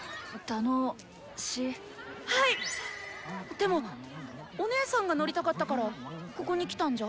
でもお姉さんが乗りたかったからここに来たんじゃ？